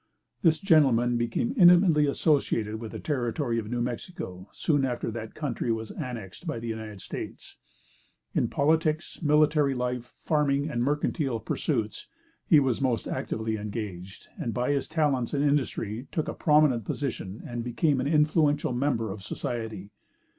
This gentleman became intimately associated with the Territory of New Mexico soon after that country was annexed to the United States. In politics, military life, farming and mercantile pursuits, he was most actively engaged, and by his talents and industry took a prominent position and became an influential member of society.